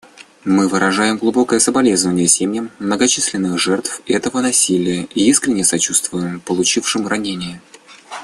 Мы выражаем глубокие соболезнования семьям многочисленных жертв этого насилия и искреннее сочувствие получившим ранения.